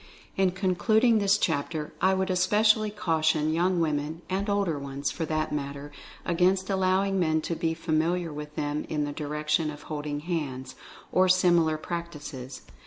In concluding this chapter, I would especially cau tion young women and older ones, for that matter, against allowing men to be familiar with them in the direction of ''holding hands," or similar practices.